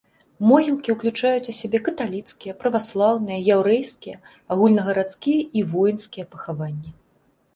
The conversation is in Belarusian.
Могілкі ўключаюць у сябе каталіцкія, праваслаўныя, яўрэйскія, агульнагарадскія і воінскія пахаванні.